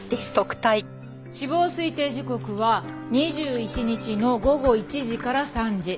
死亡推定時刻は２１日の午後１時から３時。